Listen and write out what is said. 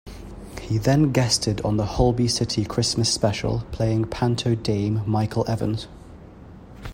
He then guested on the Holby City Christmas Special, playing panto dame Michael Evans.